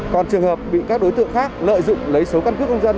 còn trường hợp bị các đối tượng khác lợi dụng lấy số căn cước công dân